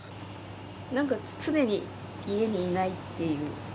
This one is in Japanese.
なんか常に家にいないっていう。